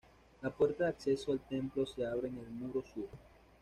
La puerta de acceso al templo se abre en el muro sur.